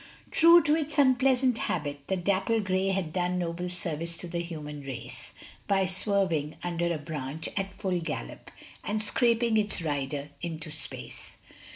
True to its unpleasant habit, the dapple grey had done noble service to the human race, by swerving under a branch at full gallop, and scraping its rider into space.